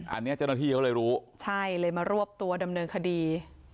อันนี้เจ้าหน้าที่เขาเลยรู้ใช่เลยมารวบตัวดำเนินคดี